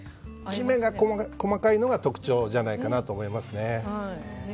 きめが細かいのが特徴じゃないかなと思います。